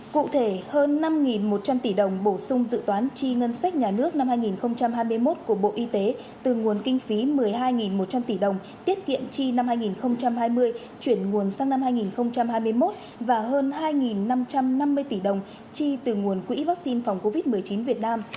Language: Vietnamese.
cụ thể hơn năm một trăm linh tỷ đồng bổ sung dự toán chi ngân sách nhà nước năm hai nghìn hai mươi một của bộ y tế từ nguồn kinh phí một mươi hai một trăm linh tỷ đồng tiết kiệm chi năm hai nghìn hai mươi chuyển nguồn sang năm hai nghìn hai mươi một và hơn hai năm trăm năm mươi tỷ đồng chi từ nguồn quỹ vaccine phòng covid một mươi chín việt nam